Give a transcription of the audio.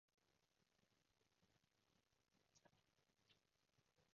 之前係咪話有好多創作者停止更新？